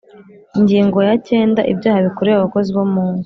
Ingingo ya cyenda Ibyaha bikorewe abakozi bo mungo